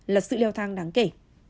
là sự leo thang đáng kể